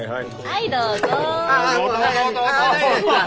はいどうぞ！